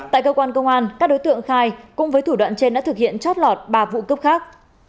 tại cơ quan công an các đối tượng khai cũng với thủ đoạn trên đã thực hiện chót lọt ba vụ cướp khác